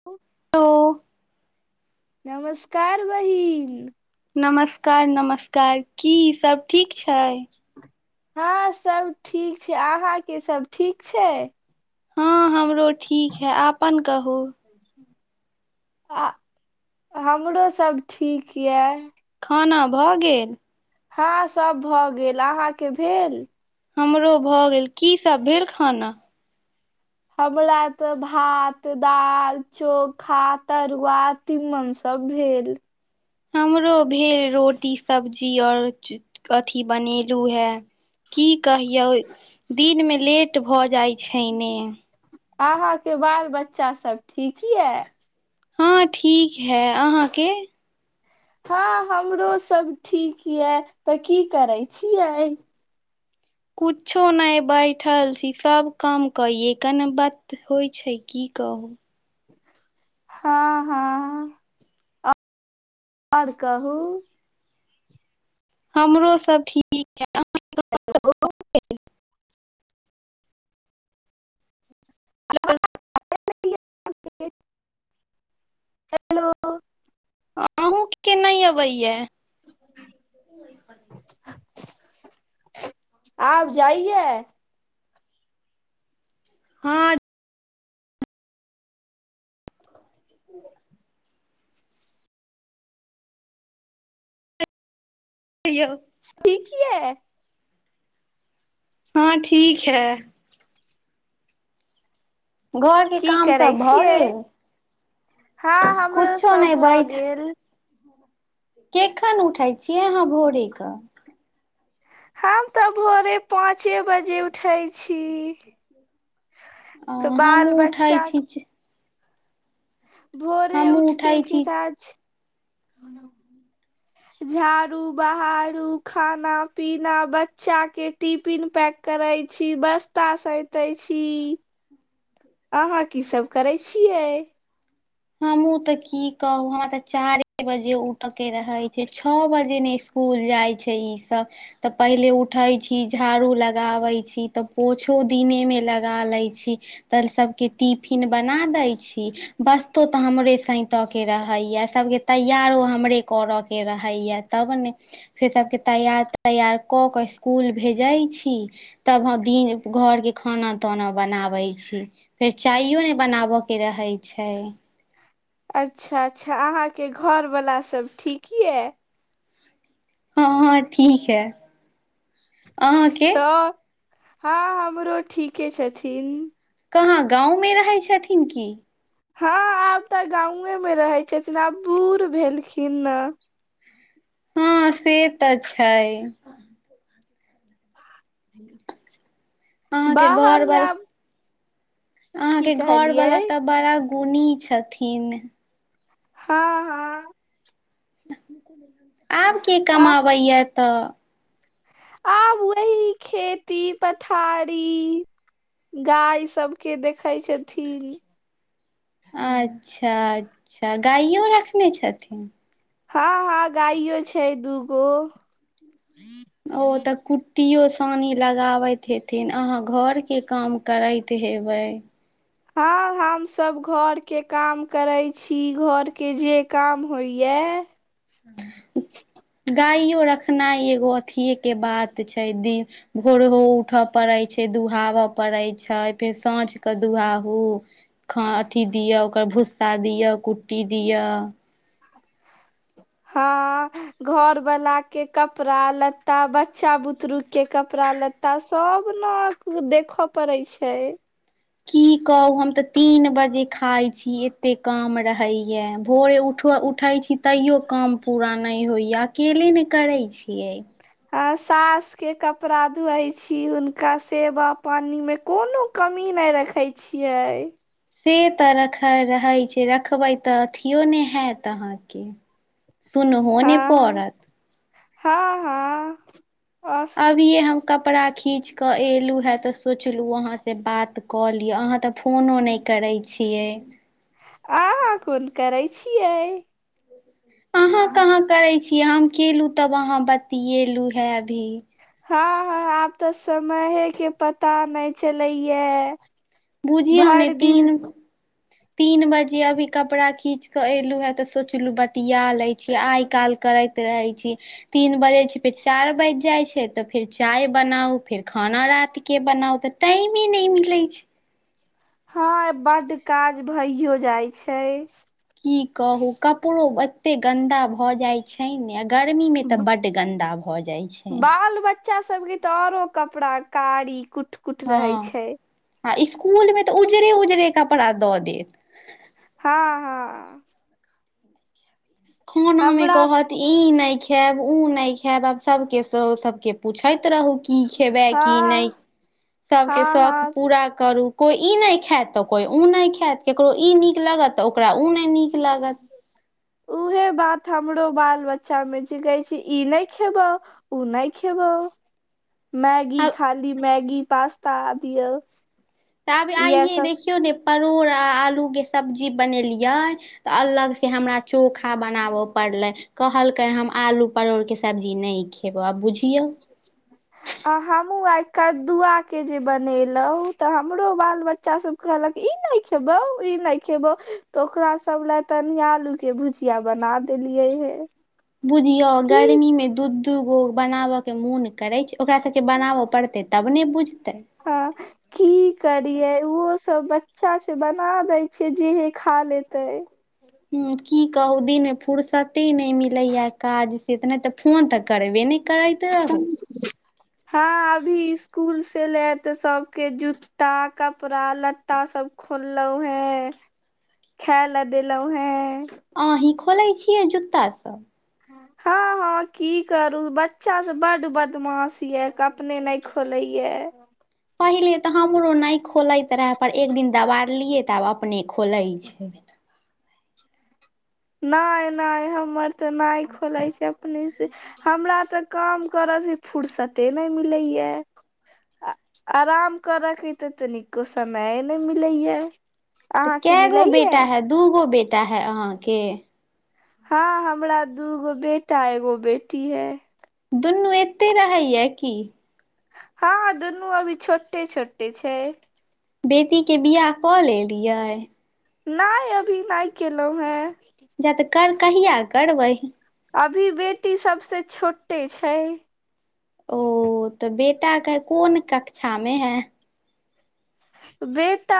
ओ hello नमस्कार बहिन। नमस्कार-नमस्कार, की सब ठीक छै? हँ सब ठीक छै, अहाँ के सब ठीक छै? हँ हमरो ठीक है। आपन कहू? आ हमरो सब ठीक यैऽ। खाना भऽ गेल? हाँ सब भऽ गेल, अहाँके भेल? हमरो भऽ गेल, की सब भेल खाना? हमला तऽ भात, दाल, चोखा, तरुआ तीमन सब भेल। हमरो भे रोटी, सब्जी और च-अथी बनेलू हैं। की कहियौ? दिन में लेट भऽ जाइ छै ने। आहाँके बाल बच्चा सब ठीक यैऽ? हँ ठीक है, अहाँके? हँ हमरो सब ठीक यैऽ, तऽ की करै छियै? कुछो नैय बैठल छी, सब काम कयै कऽ न बत होइ छै, की कहू? हँ-हँ। और कहू? हमरो सब ठीक हेलो। [unintelligible] हेलो अहूँ के नैय अबैयाऽ। ओहि ख [inaudible] आब जाइयैऽ? हँ। त यौ [inaudible] ठीक येऽ हँ ठीक है। घर के की काम करै सब भऽ छियै गेल हँ हमरो कुछो नहि सब भऽ बैठ गेल। केखन उठय छियै अहाँ भोरे कऽ। हम तऽ भोरे पाँंचे बजे उठै छी। तऽ बाल हमहुँ उठै बच्चा। छी भोरे हमहुँ उठत उठै कि छी काज झाड़ू बहारू खाना पीना बच्चा के टिफिन पैक, करै छी बस्ता सइतै छी, अहाँ की सब करै छियै। हमहु तऽ की कहू हमरा तऽ चारे बजे उठ के रहे छैय छ बजे नै स्कूल, स्कूल जाइ छैय ई सब तऽ पहिले उठे छी झाड़ू लगाबै छी तऽ पोछो दिनेमे लगा लै छी। तऽ सबके टिफिन बना दै छी बस तो तऽ हमरे सैईतऽके ऽके रहैया सबके तैयारो हमरे करऽके रहैया तब नै फेर सबके तैयार तैयार कऽ कऽ स्कुल भेजै छी तब हम दिन घरके खाना ताना बनाबै छी। फेर चाययो ने बनाब के रहै छैय। अच्छा अच्छा अहाँके घरवला सब ठीक यऽ। हँ हँ ठीक है। अहाँके तऽ हँ हमरो ठीके छथिन। कहाँ गाँवमे रहै छथिन की। हँ आब तऽ गांवेमे रहै छथिन आब बूढ़ भेलखिन नऽ हँ से तऽ छैय। ह [inaudible] बाहर मे आब, अहां की के घर कहलियै वाला तऽ बड़ा गुणी छथिन। हँ हँ। आब के कमाबैया तऽ। आब वही खेती पथारी, गाय सबके देखै छथिन। अच्छा अच्छा गाययो रखने छथिन। हँ हँ गाययो छैय दूगो। ओ तऽ कु टीओ सानी लगाबैत हेथिन अहाँ घरके काम करैत हेबै। हँ हमसभ घरके काम करैत छी घरके जे काम होइएा। [unintelligible] गाइयो रखनाइ एगो अथिे के बात छैय दिन। भोर हो उठय पड़ैत छैय दुहाबैय पड़ैत छैय फेर साँझके दुहाहू। ख अथि दिओ ओकर भुस्सा दिओ कुट्टी दिओ। ह घर वाला के कपड़ा लत्ता बच्चा बुतरु। के कपड़ा लत्ता सब ने देखऽ पड़े छैय। की कहू हम तऽ तीन बजे खाय छी, एते काम रहैय यैं भोरे उठव उठ उठै छी तैयो काम पूरा नहि होइए, अकेले नहि करै छियै। हं सास के कपड़ा धुओछी हुनका सेवा पानी मे कोनो कमी नहि रखै छियै। से त रखै रहै छै, रखबै त अथियो नही हैत अहांके। सुनहो नहि पड़त। हँ-हँ औ अभिये हम कपड़ा खींच क एलू हैं, तऽ सोचलु अहाँ से बात कऽ लि अहां त फोनो नहि करै छियै। आहां कोन करै छियै। अहाँ कहाँ करै छी, हम केलु तब अहाँ बतयेलू हैं अभी। हँ- हँ आब तऽ समयहे के पता नहि चलै यैं। बूझियौ ने तीन तीन बजे अभी कपड़ा खींच के एलू हैं, तऽ सोचलु बतिया लय छी आइ काल करैत रहै छी। तीन बजै छै, फेर चारि बाजि जाइ छै, त फेर चाय बनाउ फेर खाना रातिके बनाउ त टाइमे नहि मिलै छै। हँ ए बड्ड काज भइयो जाइ छै। की कहू कपड़ो एत्ते गन्दा भऽ जाइ छै ने आ गर्मीमे तऽ बड्ड गन्दा भऽ जाइ छै। बाल बच्चा सब के त औरो कपड़ा कारी कुट कुट रहै हँ, छै आ स्कूल मे तऽ उजरे-उजरे कपड़ा दऽ देत। हाँ हँ। खाना मे हमरा कहत तऽ ई नहि खैब, उ नहि खैब, आब सबके स सबके पुछैत रहू। की खेबै की नहि हँ सबके हँ शौख पूरा हँ करू, कोई ई नहि खैत, तऽ कोई उ नहि खैत, ककरो ई नीक लगत त ओकरा उ नहि नीक लागत। उहें बात हमरो बाल बच्चा में छय, कहै छय ई नहि खेबौ, उ नहि खेबौ। मैगी आब खाली मैगी, पास्ता आ दियौ। ताबे इएह आइये सब देखियौ ने परोड़ आ आलू के सब्जी बनेलियै त अलग से हमरा चोखा बनाबऽ पड़लै। कहलकै हम आलू परोड़ के सब्जी नहि खेबो आब बुझ [inaudible] आ हमहुं आइ कद्दुआके जे बनेलऊ, तऽ हमरो बाल बच्चा सब कहलक ई नहि खेबौ, ई नहि खेबौ, तो ओकरा सब ले तनी आलू के भुजि -या बना देलियै हें। बुझियौ गर्मी मे दू-दू गो बनाबय के मोन करै छै, ओकरा सबके के बनाबऽ पड़तै तब ने बुझतै। हँ। की करियै उंहो सब बच्चा छै, बना दै छियै जेहे खा लेतै। हम्म की कहू दिन मे फुर्सते नहि मिलैया काज से, त नहि त फोन तऽ करबे नहि करैत रहू। पुछियौ। हँ अभी स्कूल से ले ते सब के जूता, कपड़ा, लत ता सब खोललहुं हें, खाय ले देलहुं हें। अहीं खोलै छियै जुता सब? हँ हँ की करू बच्चा स बड बदमाश यऽ क अपने नइ खोलैये। पहिले तऽ हमरो नहि खोलैत रहे, पर एक दिन दबारलियै तऽ आब अपने खोले छै। नइ नइ हमर तऽ नइ खोलै छै, अपने से। हमरा तऽ काम करय स फुुरसते नहि मिलैया। आराम करऽके तऽ तनिको समय नइ मिलैया। तऽ कए गो बेटा है दू गो बेटा है अहाँके? हँ हमरा दूगो बेटा एगो बेटी है। दुनू एते रहैय कि? हँ दुनू अभी छोटे छोटे छै। बेटीके बिआह कऽ लेलियै? नहि अभी नहि केलहुं हें। जा तऽ कर कहिया करबै? अभी बेटी सभसँ छोटे छै। ओ तऽ बेटा के कोन कक्षा में है? बेटा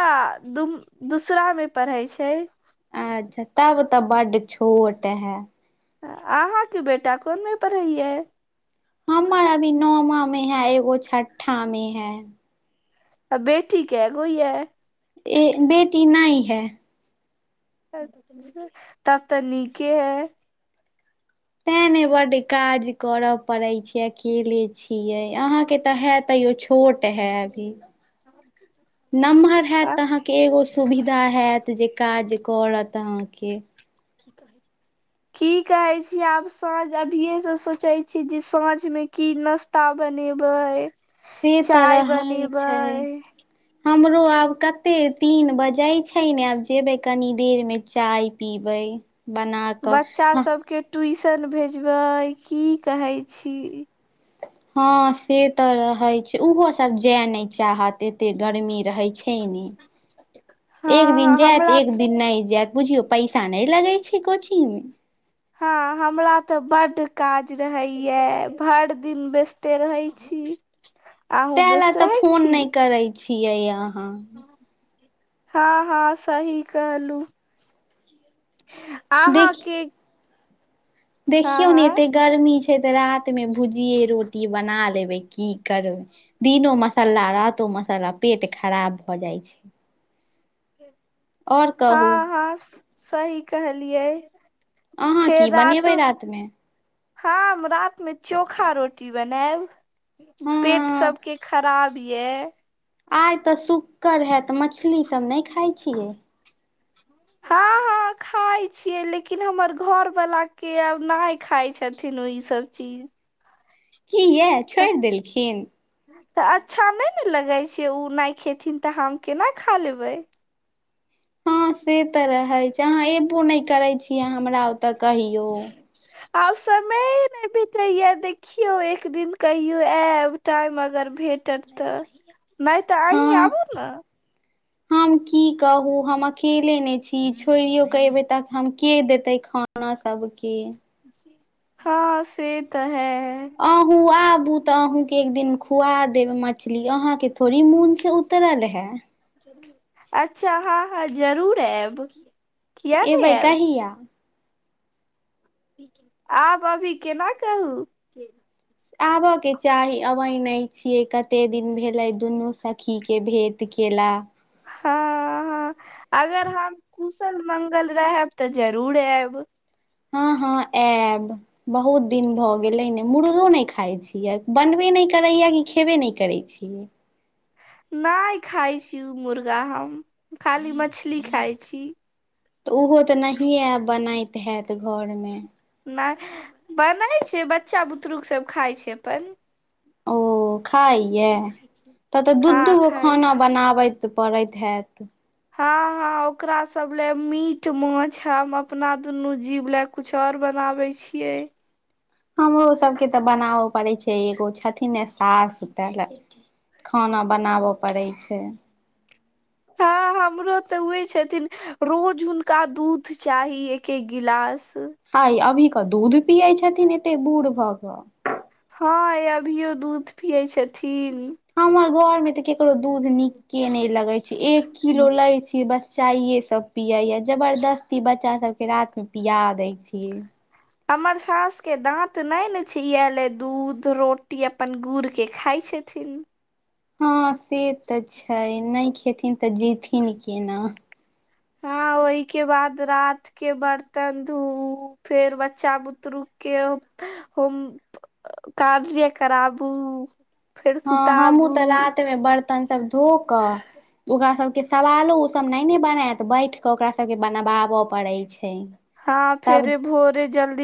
दु दूसरा मे पढ़े छै। अच्छा तब त बड्ड छोट है। आहा के बेटा कोनमें पढ़ैये? हमर अभी नौमा मे है, एगो छठा में है। अ बेटी के गो या यै? ए बेटी नइ है। तब तऽ नीके है। तें ने बड्ड काज करऽ पड़े छै, अकेले छिये अहा के तऽ हे तैयो छौ छोट है अभी। आँ के एगो सुविधा हयत जे काज करत अहाँके? की कहे छी आब साँझ, अभिये से सोचे छी जे साँझ में की नश ता बनेबै? एहे त चाय रहै छै। बनेबै हमरो आब कते तीन बजे छै? ने आब जेबइ कनी देर में चाय पीबै बना कऽ बच्चा ह सबके ट्यूशन भेजबै की कहै छी? हँ से तऽ रहै छै ओहोसभ जाय नहि चाहत एते गर्मी रहै छै। हँ एक दिन जायत हमरा एक दिन नहि जायत बुझियौ पै सा नहि लगे छै कोचिंग में? हँ हमरा तऽ बड्ड काज रहैया, भर दिन व्यस्ते रहै छी। अहूँ तै ले व्यस्त तऽ रहै फोन छी नइ करै छियै अहाँ। हँ हँ सही कहलूँ। आहाँ देखि के देखियौ ने एते गर्मी छै, तऽ रात मे भुजिये रोटी बना लेबैय। की करबै दिनो मसाला, रातो मसाला पेट खराब भऽ जाइ छै। और कहू हँ हँ सही कहलियै। अहाँ फेर की बनेबै रातो, रात मे ह हम राति मे चोखा रोटी बनायैब पेट हँ सबके खराब, पीए, आइ तऽ शुकर हैइत मछली सब नहि खाय छियै। हाँ, हाँ। खाय छियै, लेकिन हमर घरवाला के आब नहि खाय छथिन ई सब चीज। किया तऽ छोड़ि देलखिन। तऽ अच्छा नैय ने लगै छैय, उ नैय खेथिन तऽ हम केना खा लेबैय। हँ से तऽ रहैय छैय, आहाँ एबो नैय करैय छियै, हमरा ओता कहियो। आब समयही नहि बितैया देखियौ एक दिन कहियो आयैब। टाइम अगर भेटत तऽ नहि तऽ अहीं हँ आबु न। हम की कहू हम अकेले नहि छी, छोड़ियौ के एबैय ते हम के देतैय खाना सबके। हाँ से तऽ हैै। अहूँ आबू तऽ अहूँके एक दिन खुआ दैब मछली अहां के थोड़ी मन से उतरल है। अच्छा हाँ, हाँ जरूर आयैब। एबैय कहिया। आब अभी केना कहू। आबयै के चाही, अबैय नहि छियै कते दिन भेलैय दुनू सखी के भेट तऽ केला। हाँ, हाँ अगर हम कुशल मंगल रहैब तऽ जरूर आयैब। हँ हँ आयैब। बहुत दिन भऽ गेलैय ने मुर्गो नैय खाइय छियै, बनबे नैय करैयै कि खेबे नैय करैय छियै। नैय खाय छी उ मुर्गा हम खाली मछली खाय छी। तऽ उहो ते नहिए आब बनैत हैइत घरमें। नैय बनैय छैय, बच्चा बुतरुक सब खाइ छैय अपन। ओ खाइयै तब तऽ दू, हँ दूगो खाय खाना बनाबैत पड़ैत हैइत। हँ हँ ओकरा सब ले मीट-माछ हम अपना दुनू जीव ले कुछ और बनाबै छियै। हमरो सबके तऽ बनाबै पड़ैय छैय, एगो छथिन ने सास तै लै खाना बनाबै पड़ैय छैय। हँ हमरो तऽ उहै छथिन रोज हुनका दूध चाही एक-एक गिलास। हाई अभी के दूध पियै छथिन एते बूढ भऽ कऽ। हाँ ये अभियो दूध पियै छथिन। हमर घर में तऽ केकरो दूध निक्के नैय लगैय एक किलो लैय छियै बस चायै सब पियैया जबरदस्ती बच्चा सबके रातमे पिया दै छियै। हमर सास के दाँत नैने छैय इहेलै दूध रोटी अपन गुड़ के खाय छथिन। हँ से ते छैय नैय खेथिन तऽ जिथिन केना। हाँ ओहिके बाद रात के बर्तन धुऊ फेर बच्चा बुतरूक के होम काजे कराबू। फेर हँ हमहूँ सुताबू तऽ रातमे बर्तन सब धो कऽ। ओकरा सबके सवालो ओ सब नैने बनेत बैठ के ओकरा सबके बनवाबऽ पड़ै छैय। हँ फेरे भोरे जल्दी।